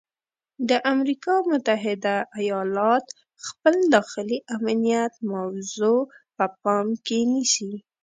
د امریکا متحده ایالات خپل داخلي امنیت موضوع په پام کې نیسي.